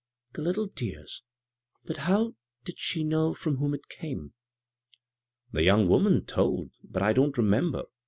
"" The little dears I — but how did she know from whom it came ?"" The young woman told, but I don't re member.